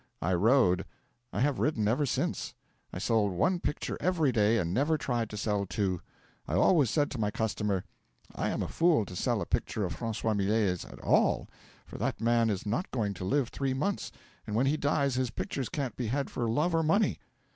I rode. I have ridden ever since. I sold one picture every day, and never tried to sell two. I always said to my customer: '"I am a fool to sell a picture of Francois Millet's at all, for that man is not going to live three months, and when he dies his pictures can't be had for love or money."